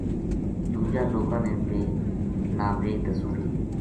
دُوجا لوکاں نا بے دسوں گی